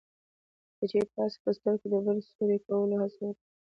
که چېرې تاسې په سترګو د بل د سوري کولو هڅه وکړئ